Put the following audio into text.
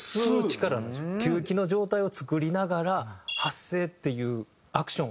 吸気の状態を作りながら発声っていうアクションを起こす。